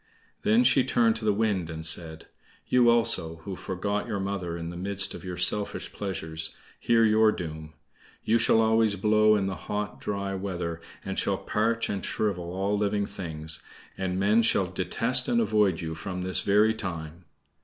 Then she turned to the Wind and said: "You also, who forgot your mother in the midst of your selfish pleasures, hear your doom. You shall always blow in the hot, dry weather, and shall parch and shrivel all living things. And men shall detest and avoid you from this very time."